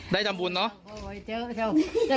ได้ทำบุญเนอะ